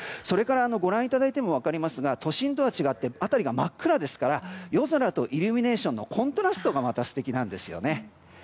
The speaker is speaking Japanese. それからご覧いただいても分かりますが都心とは違って辺りが真っ暗ですから夜空とイルミネーションのコントラストがまた素敵なんですよね。